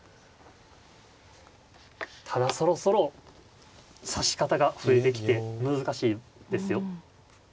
ただそろそろ指し方が増えてきて難しいですよ。